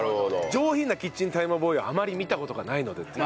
上品なキッチンタイマーボーイはあまり見た事がないのでという。